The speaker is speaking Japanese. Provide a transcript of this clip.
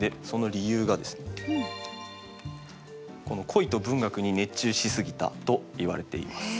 恋と文学に熱中しすぎたといわれています。